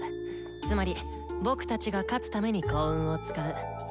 つまり僕たちが勝つために幸運を使う。